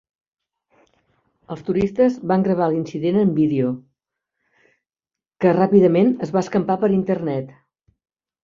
Els turistes van gravar l'incident en vídeo, que ràpidament es va escampar per Internet.